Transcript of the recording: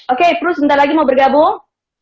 oke pru sebentar lagi mau bergabung